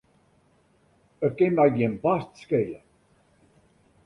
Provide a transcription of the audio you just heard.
It kin my gjin barst skele.